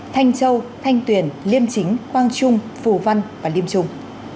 thanh châu thanh tuyền liêm chính quang trung phù văn và liêm trung